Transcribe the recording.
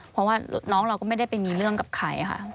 เพราะว่าน้องเราก็ไม่ได้ไปมีเรื่องกับใครค่ะ